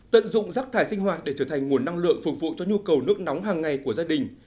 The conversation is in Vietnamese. tận dụng rắc thải sinh hoạt để trở thành nguồn năng lượng phục vụ cho nhu cầu nước nóng hàng ngày của gia đình